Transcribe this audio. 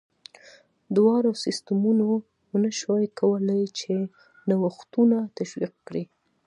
دواړو سیستمونو ونه شوای کولای چې نوښتونه تشویق کړي.